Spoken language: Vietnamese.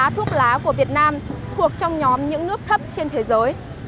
thuốc lá của việt nam thuộc trong nhóm những nước thấp trên thế giới